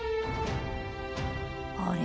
あれ？